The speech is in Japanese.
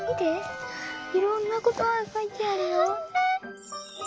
いろんなことばがかいてあるよ。